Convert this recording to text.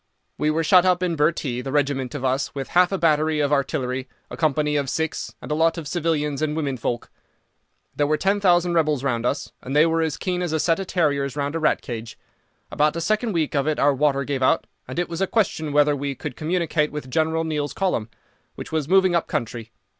"We were shut up in Bhurtee, the regiment of us with half a battery of artillery, a company of Sikhs, and a lot of civilians and women folk. There were ten thousand rebels round us, and they were as keen as a set of terriers round a rat cage. About the second week of it our water gave out, and it was a question whether we could communicate with General Neill's column, which was moving up country.